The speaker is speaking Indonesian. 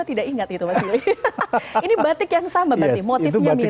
ini batik yang sama berarti